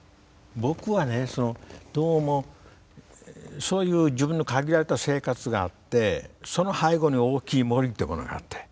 僕はねどうもそういう自分の限られた生活があってその背後に大きい森っていうものがあって。